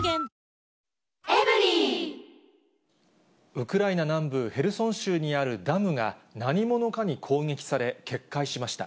ウクライナ南部ヘルソン州にあるダムが何者かに攻撃され、決壊しました。